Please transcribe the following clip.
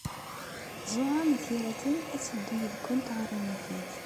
Ẓuhṛa n At Yiraten ad teddu yid-went ɣer unafag.